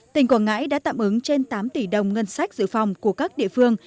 tỉnh quảng ngãi đã tạm ứng trên tám tỷ đồng ngân sách dự phòng của các địa phương